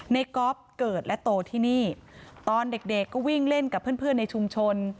ก๊อฟเกิดและโตที่นี่ตอนเด็กเด็กก็วิ่งเล่นกับเพื่อนในชุมชน